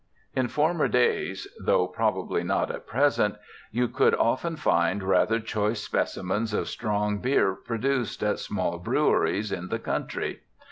In former days, though probably not at present, you could often find rather choice specimens of strong beer produced at small breweries in the country.